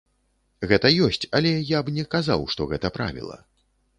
Гэта ёсць, але я б не казаў, што гэта правіла.